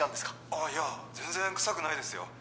あいや全然臭くないですよ